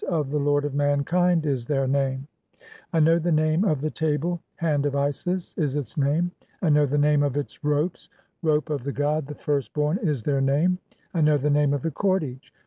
of the lord of mankind' [is their name]. I "know (21) the name of the table; 'Hand of Isis' [is its name]. "I know the name of its ropes (?); 'Rope of the god, the rirst "born' [is their name]. (22) I know the name of the cordage